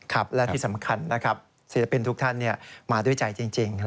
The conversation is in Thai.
และที่สำคัญนะครับศิลปินทุกท่านมาด้วยใจจริง